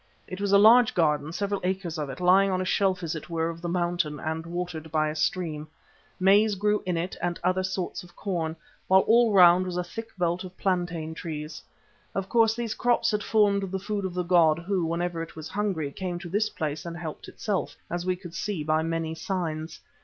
It was a large garden, several acres of it, lying on a shelf, as it were, of the mountain and watered by a stream. Maize grew in it, also other sorts of corn, while all round was a thick belt of plantain trees. Of course these crops had formed the food of the god who, whenever it was hungry, came to this place and helped itself, as we could see by many signs.